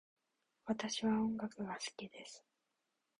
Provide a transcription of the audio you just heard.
私は音楽が好きです。